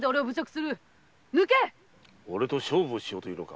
俺と勝負しようというのか。